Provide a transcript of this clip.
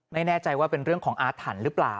ไม่แน่ใจว่าเป็นเรื่องของอาถรรพ์หรือเปล่า